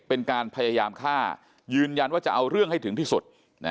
เป็นการพยายามฆ่ายืนยันว่าจะเอาเรื่องให้ถึงที่สุด